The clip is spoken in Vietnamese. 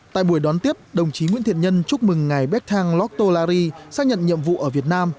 tại buổi đón tiếp đồng chí nguyễn thiện nhân chúc mừng ngài béc thăng lóc tô la ri sang nhậm nhiệm vụ ở việt nam